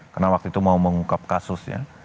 karena waktu itu mau mengungkap kasusnya